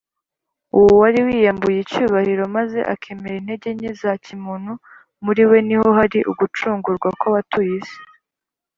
. Uwo wari wiyambuye icyubahiro maze akemera intege nke za kimuntu, muri we niho hari ugucungurwa kw’abatuye isi